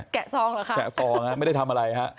แกะซองเหรอคะไม่ได้ทำอะไร